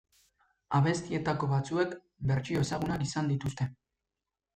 Abestietako batzuek bertsio ezagunak izan dituzte.